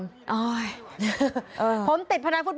พนันฟุตบอลต้องจัดเงินใช้หนี้สิน